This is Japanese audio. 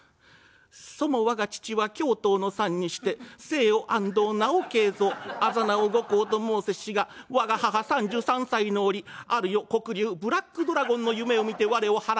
「そも我が父は京都の産にして姓を安藤名を慶蔵字を五光と申せしが我が母３３歳の折ある夜黒竜ブラックドラゴンの夢を見て我を孕めるがゆえ